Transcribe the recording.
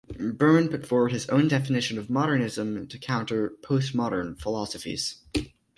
Berman put forward his own definition of modernism to counter "post-modern" philosophies.